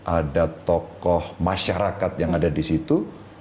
ada tokoh masyarakat yang ada di situ